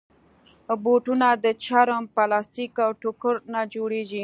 بوټونه د چرم، پلاسټیک، او ټوکر نه جوړېږي.